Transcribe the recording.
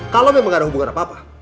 kalau memang ada hubungan apa apa